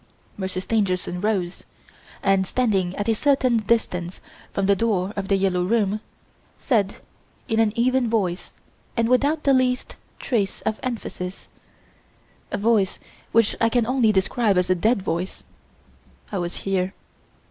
Monsieur Stangerson rose and, standing at a certain distance from the door of "The Yellow Room", said, in an even voice and without the least trace of emphasis a voice which I can only describe as a dead voice: "I was here.